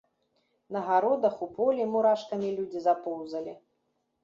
На гародах, у полі мурашкамі людзі запоўзалі.